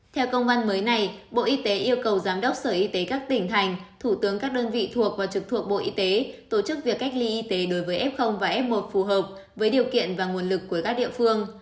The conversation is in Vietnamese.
theo công an mới này bộ y tế yêu cầu giám đốc sở y tế các tỉnh thành thủ tướng các đơn vị thuộc và trực thuộc bộ y tế tổ chức việc cách ly y tế đối với f và f một phù hợp với điều kiện và nguồn lực của các địa phương